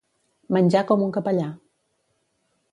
Menjar com un capellà.